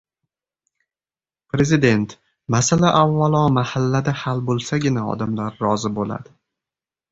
Prezident: Masala avvalo mahallada hal bo‘lsagina odamlar rozi bo‘ladi